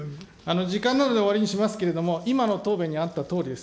時間なので終わりにしますけれども、今の答弁にあったとおりです。